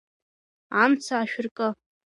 Амца ашәыркы!